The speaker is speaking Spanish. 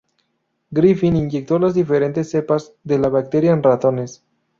Griffith inyectó las diferentes cepas de la bacteria en ratones.